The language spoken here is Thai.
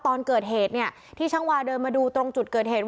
ตอนเกิดเหตุเนี่ยที่ช่างวาเดินมาดูตรงจุดเกิดเหตุ